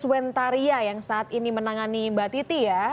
dr suwantaria yang saat ini menangani mbak titi ya